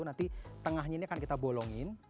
nanti tengahnya ini akan kita bolongin